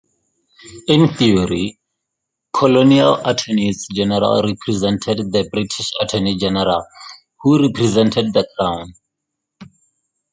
In theory, colonial Attorneys General represented the British Attorney General, who represented the Crown.